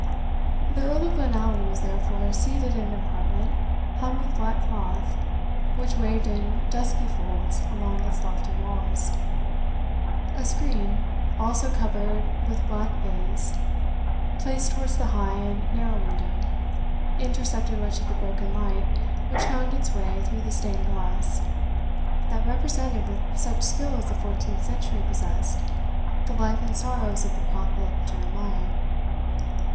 The Earl of Glenallan was therefore seated in an apartment hung with black cloth, which waved in dusky folds along its lofty walls. A screen, also covered with black baize, placed towards the high and narrow window, intercepted much of the broken light which found its way through the stained glass, that represented, with such skill as the fourteenth century possessed, the life and sorrows of the prophet Jeremiah.